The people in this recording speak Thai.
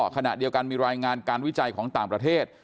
ขณะเดียวกันมีรายงานการวิจัยของต่างประเทศ